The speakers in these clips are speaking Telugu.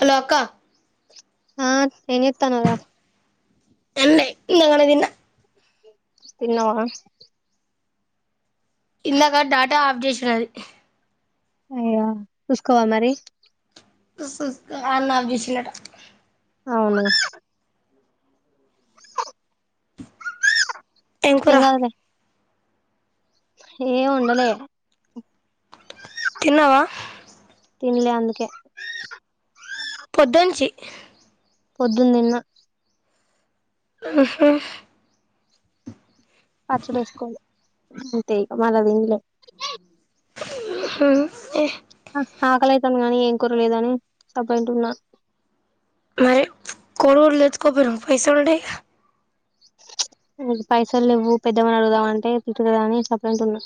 హలో అక్క ఆ ఏం చేత్తన్నావ్ రా తిన్నా ఇందాకనే తిన్నా తిన్నావా ఇందాక డాటా అప్ చేసున్నది అయ్యో చూసుకోవా మరి చూస్కో అన్న అప్ చేసిండట అవునా ఏం కాదులే ఏ ఉండలే తిన్నావా తిన్లే అందుకే పొద్దునించి పొద్దున్ తిన్న ఆహా పచ్చడి వేసుకో అంతే మన తిన్లే ఉహు ఏ ఆకలయితాంది గానీ ఏం కుర లేదని సప్పు అంటు ఉన్నా మరి కోడిగుడ్లు తెచ్చుకోకపోయినా పైసలు ఉంటాయిగా కు పైసలు లేవు పెద్దమ్మ అడుగుదామంటే తిడ్తది అని సపరేంట్ ఉన్నా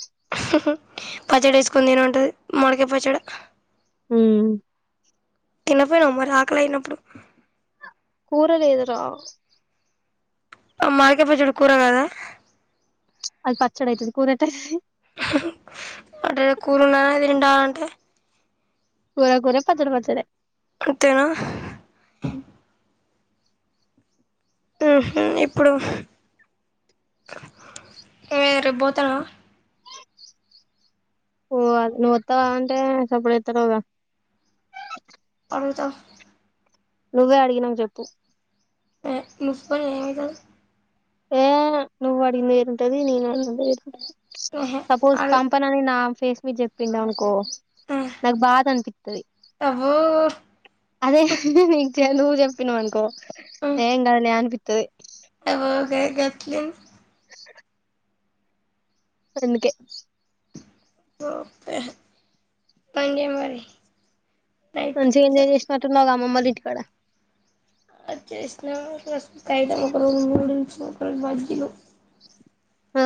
పచ్చడి వేసుకుని తిను అంటది మాడికాయ పచ్చడి ఉ తినకపోయినావ మరి ఆకలి అయినప్పుడు కూర లేదు రా మాడికాయ పచ్చడి కూర కదా పచ్చడి అయితది కూర ఎట్ట అయిత కూరలోనే తినిండాల అంటే కూర కూర పచ్చడి పచ్చడే అంతేనా ఆహా ఇప్పుడు ఏ రేపు పోతనావా పోవాలి నువ్వుస్తా అంటే సప్పుడు జెస్తలేవుగా వెళ్తే నువ్వే అడిగినవ్ చెప్పు ఏ ముసుకుని ఏం అయితది ఏ నువ్వు ఇంటది నేను అడిగిన ఆహా, సపోజ్ అడు- పంపనని నా ఫేస్ మీద చెప్పిండ అనుకో ఆ, నాక్ బాద్ అనిపిత్తది అదే అబ్బో ఇగ నువ్వు చెప్పినవ్ అనుకో ఏం కాద్లే అనిపిత్తది ఎట్లి అందుకే ఓకే పండి మరి నైట్ మంచిగనే ఎంజాయ్ చేసినట్టువ్ గ అమ్మమ్మ ఓళ్ళ ఇంటి కాడ ఆ చేసిన ఫస్ట్ రోజు టైడ్ అయిపోయిన, నూడిల్స్, బజ్జీలు [unintelligible] ఆ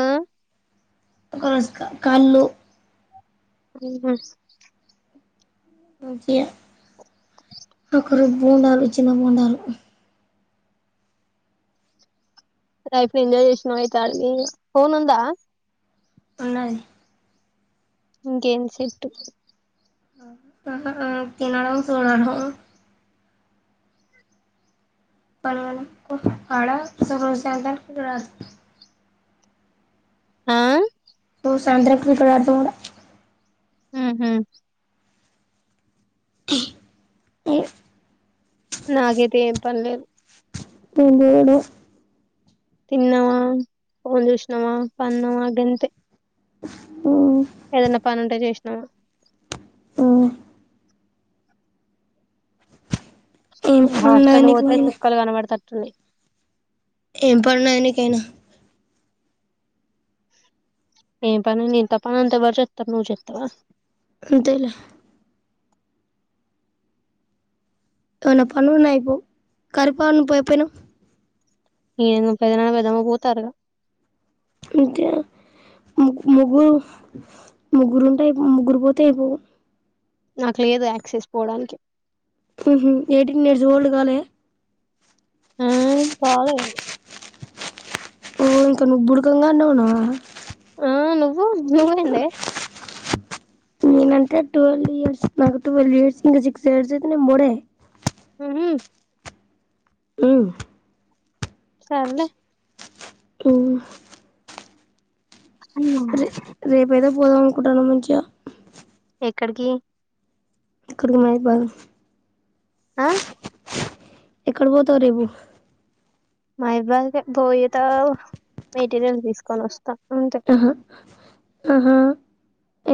ఒకరోజు క కళ్ళు ప్రీ వెడ్స్ మంచిగ ఒక రోజు బోండాలు చిన్న బోండాలు లైఫ్ లో ఎంజాయ్ చేసిన అయితే అడికి పోయిన ఫోన్ ఉందా ఉన్నాయి ఇంకేం చెట్టు దొండకాయ తినడం చూడడానికి పోయి [unintelligible] కడగడం కొట్టు కాడ సుగర్ ఛాయ్ తట్టుకుంటూ ఊమ్మ్ నువ్ సాయంత్రం క్రికెట్ ఆడతవాడ [inaudible] ఉహూ నాకైతే ఏం పన్లేదు [unintelligible] నేను జేయలే తిన్నవా, ఫోన్ చూషినమా పన్నమా గంతే ఏదన పని ఉంటె చేషినవ ఏం పనున్నది హాస్టల్ నీకు పోతే చుక్కలు కనబడతట్టు ఉన్నయి ఏం పని ఉన్నది నీకైన ఏం పని ఇంత పని అంటె ఎవరు చెత్తరు నువ్వు చెత్తవ అంతేలె ఇయాల పనున్న ఐపోవ్ కరిపొన్న పోయి పోయినవ్ ఉమ్ మీ పెద్దనాన్న పెదమ్మ పోతారుగ అంతే ము ముగ్గురు ముగ్గురుంటె అయిపోవ్ ముగ్గురు పోతే అయిపోవు నాకు లేదు యాక్సెస్ పోవడానికి ఉహు ఎయిటీన్ ఇయర్స్ ఓల్డ్ కాలే కాలే ఓ ఇంకా నువ్ బుడుకంగ గానే ఉన్నావ ఆ నువ్వు నువ్వేందే నేను అంటే ట్వెల్వ్ ఇయర్స్ నాకు ట్వల్వ్ ఇయర్స్ ఇం సిక్స్ ఇయర్స్ యితే నేను మొడే ఊమ్ ఊమ్ సర్లే ఊమ్ ఉమ్మ్ రేపు ఏదో పోదం అనుకుంటానమ్ మంచిగ ఎక్కడికీ కడుకు నై బాదం ఆ ఎక్కడ పోతావ్ రేపు మైబాకే బోయతో మెటీరియల్ తీసుకొని వస్తా అంతే ఆహా ఆహా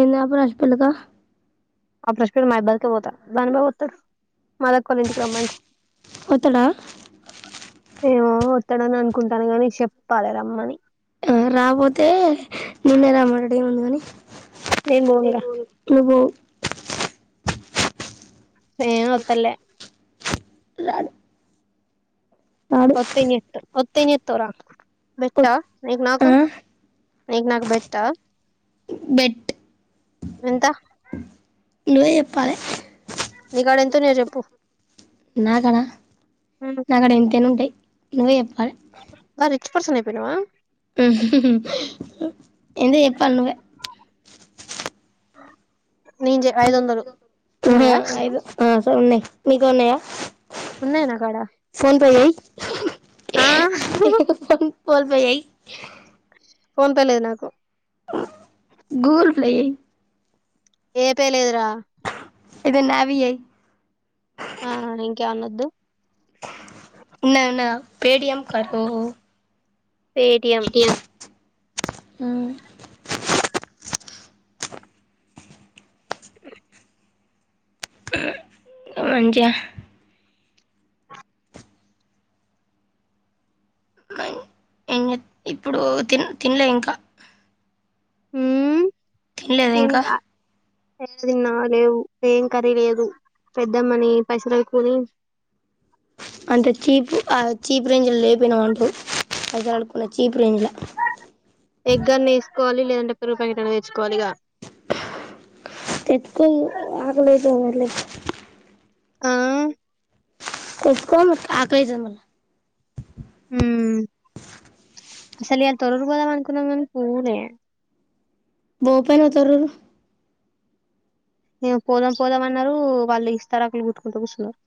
ఎంద ప్రశపులకా ఆ ప్రశకుడికే మా యబ్బ పోత దని బాబత్త మదక్క కోళ్ల ఇంటికి రమ్మంట వత్తడా ఏమో వస్తాడని అనుకుంటాను గాని చెప్పాలి రమ్మని ఆ రాపోతే నిన్నే రామడాడు ఏముంది కాని నేను పోనుగా నువ్ పోవు నేన్ వత్తలే రాద్ వత్తయ్ ఎం జెత్తవ్ వత్తే ఎం జెత్తవు రా బెట్టా నీకు ఆ నాకు నీకు నాకు బెట్టా బెట్ ఎంత నువ్వే చెప్పాలే నీ కాడ ఎంతున్నాయో చెప్పు నా కడ నాకడ ఎంతైన ఉంటాయి నువ్వే చెప్పు బా రిచ్ పర్సనయిపోయినవా ఎంతో చెప్పాల నువ్వే నేను ఐదు వందలు ఉన్నాయా ఉన్నాయ్ నీతో ఉన్నాయా ఉన్నాయ్ నా కాడ ఫోన్ పే చేయి ఫోన్ పే చెయ్ ఫోన్ పే లేదు నాకు గూగుల్ ప్లే చెయ్ ఏ పే లేదురా ఇది న్యావీ వై ఆ ఇంకే అన్నద్దు నానా పే టీఎం కరో పేటిఎం ఉం మంచిగ ఇప్పుడు తిన్ తిన్లే ఇంకా ఊ తినలేదా ఇంకా ఎం దిన్నా లేవు ఏం కర్రీ లేదు పెద్దమ్మని పెసర్లు కూని అంటే చీప్ ఆ చీప్ రేంజ్ లో లేపోయినా అంటూ పజలుడుకున్న చీప్ రేంజ్ లో కోవాలి లేదంటే పెరుగు పాకెట్ అయినా తెచ్చుకోవాలిగా తెచ్చుకో ఆకలైతుంది మల్లి ఆ పెట్టుకొము ఆకలైతుంది మల్లా ఉ అసలు అ తొరురు పోదాం అనుకున్నాం కాని పోలే బో పొయిన తొర్రూరు ఏ పోదాం పోదాం అన్నారు వాళ్ళు ఇస్తారాకులు గుట్టుకుంటూ కూర్చున్నారు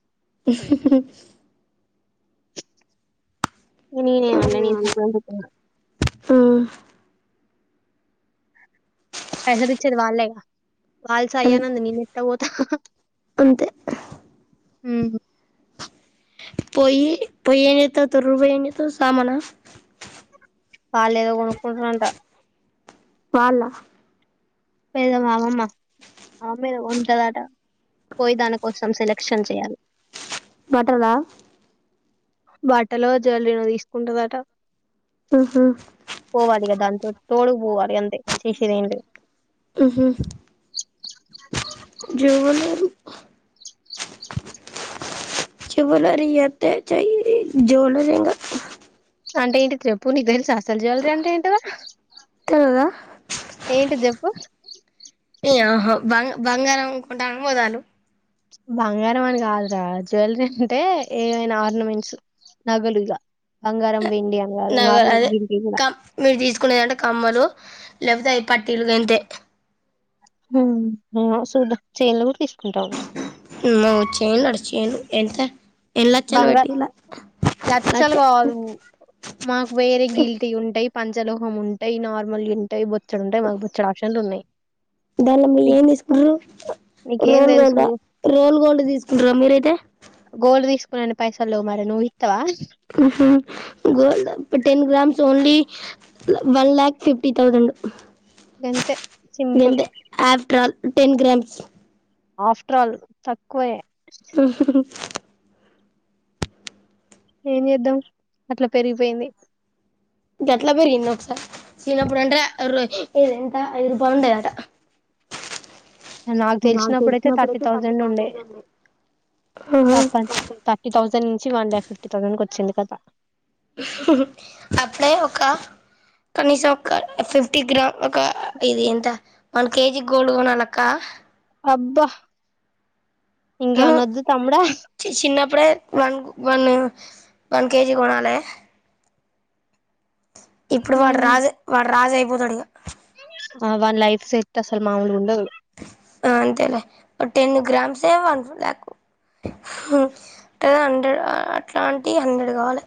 ఇంగ నేనేమన్నా నిను చెప్పనని చెప్పిన పైసలిచ్చేది వాళ్లేగా వాల్ సై అనంది నేన్ ఎట్ల పోత అంతే ఉ పోయి ఎం చెత్తావ్ తొర్రూరు పోయి ఎం చెత్తావ్ సామానా వాళ్ళేదో కొనుక్కుంటురంట వాళ్ళ పెద మా అమ్మమ్మ అమ్మమ్మ ఏదో కొంటదంట పోయి దాని కోసం సెలెక్షన్ చేయాలి బట్టలా బట్టలో జుల్రీ నో తీసుకుంటదట ఉహు రెప్ తోడుకు పోవాలి అంతే చేసేది ఎం లేదు ఉహు జ్యువలరీ జ్యువలరీ చెత్తే చేయి జ్యువలరింగా అంటే ఏంటిది చెప్పు నిక్ తెల్సా అసలు జువెలరీ అంటే ఏంటిదో తెలియదా ఏ జెప్పు ఆహో బ బంగారం కొంటనని పోతాలు బంగారం అని కాదురా జ్యువెలరీ అంటే ఏమనా ఆర్నమెంట్స్ నగలుగా నాగ అదే గివి కూడా క మీరు తీసుకునేదంటే కమ్మలు లేకపోతే అయ్ పట్టీలు గంతే ఎమో సుధ్ధం చైన్లు కూడ తీస్ ఇమ్మ చైన్ అంట చైను ఎంత ఎన్ని లచ్చలు బంగార్ పెట్టిందో లచ్చలు కాదు మాకు వేరే గీల్టీ ఉంటాయి పంచలోహం ఉంటాయి నార్మల్ ఉంటాయి బొచ్చడు ఉంటాయి మాకు బొచ్చడు ఆప్షన్లు ఉన్నాయి దాన్లో మీరు నీకు ఎం ఎస్కుర్రు నీకేం రోల్ తెలుసు గోల్డ్ రోల్ గోల్డ్ తీసుకుంటారా మీరైతే గోల్డ్ తీసుకునే అన్ని పైసలు లెవ్ మరి నువ్ ఈ ఉహు gold ten grams only one lakh fifty thousand గంతే సింపుల్ గంతే after all ten grams after all తక్కువే ఏం చేద్దాం అట్లా పెరిగిపోయింది గట్ల పెరిగిన్న ఒకసారి చిన్నప్పుడు అంటే రోయ్ ఎంత ఐదు రూపాయలుండెదంట నాకు తెలిసినప్పుడుయితే థర్టీ థౌజండ్ ఉండే ఆహా థర్టీ థౌసండ్ నుంచి వన్ ల్యాక్ ఫిఫ్టీ థౌజండ్కి వచ్చింది కథ అప్పుడే ఒక కనీసం ఒక ఫిఫ్టీ గ్రామ్ ఒక ఇది ఎంత వన్ కేజీ గోల్డ్ కోనాలక్క అబ్బా ఇంకేమనొద్దు తమ్ముడా చిన్నప్పుడే వన్ వన్ వన్ కేజీ కోనాలే ఇప్పుడు వాడు రాజు వాడు రాజు అయిపోతాడు ఇక ఆ వన్ లైఫ్ సెట్ అసలు మామూలుగా ఉండదు ఆ అంతేలే టెన్ గ్రామ్స్ ఏమో వన్ లాక్ అ హండ్రెడ్ అట్లాంటి హండ్రెడ్ కావాలి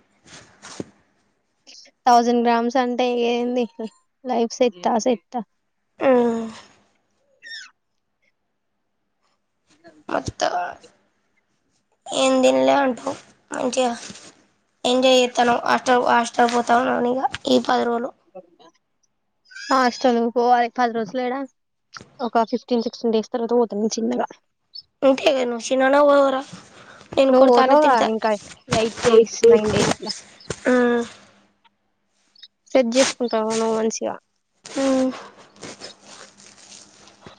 థౌజండ్ గ్రామ్స్ అంటే ఏంది లైఫ్ సెట్ సెత్త ఆ మత్త ఏం తిన్లే అంటూ మంచిగా ఎంజాయ్ చేస్తాను హాస్టల్ హాస్టల్ పోతాను నవనిగా ఈ పది రోజులు హాస్టల్ పోవాలి పది రోజులు ఎడా ఒక ఫిఫ్టీన్ సిక్స్టీన్ డేస్ తర్వాత పోతుంది చిన్నగా ఉంతే నువ్ చిన్ననే పోవుర నేను నువ్వు కొడుతనే పోతావుగా తిత ఇంకా ఎయిట్ డేస్ నైన్ డేస్ లా ఆ సెట్ చేసుకుంటావు ను్వు మంచిగా ఉ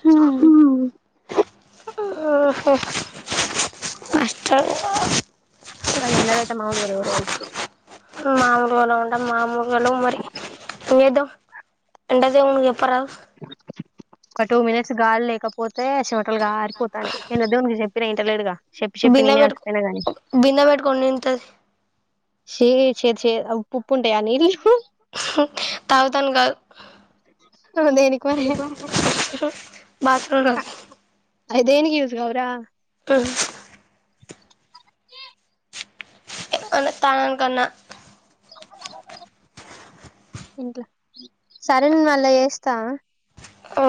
ఆహ అష్ట అబ్బ ఎండలైతే మాములుగా లేవురో మామలుగాలు ఉండ మామూలుగాలు మరి ఏం చేద్దాం ఎంట జ ఉను చెప్పరాదు ఒక టూ మినిట్స్ గాలి లేకపోతే చేమటలు గారిపోతాను నేను వద్దే చె ఇంతలేరుగ చెప్పి చెప్పి బిందె నేనే అలసి పెట్టుకో పోయిన గాని బిందె పెట్టుకొని నింతది చి సే సే ఉప్పు ఉప్పు ఉంటాయా నీళ్ళు తగుతాన్ కద్ దేనికి మరి ఎ బత్ర అయి దేనీ కి యూస్ కావుర ప అ తానను కన్నా సరే నేన్ మళ్ళా చేస్తా ఉ